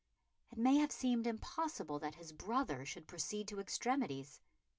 It may have seemed impossible that his brother should proceed to extremities.